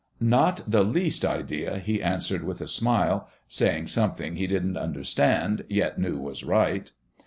"Not the least idea," he answered with a smile, saying something he didn't understand, yet knew was right.